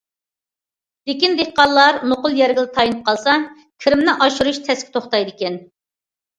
لېكىن دېھقانلار نوقۇل يەرگىلا تايىنىپ قالسا، كىرىمىنى ئاشۇرۇشى تەسكە توختايدىكەن.